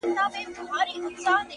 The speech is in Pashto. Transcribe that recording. ستا د ښار د ښایستونو په رنګ ـ رنګ یم ـ